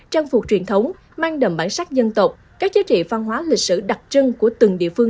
trang phục truyền thống mang đậm bản sắc dân tộc các giá trị văn hóa lịch sử đặc trưng của từng địa phương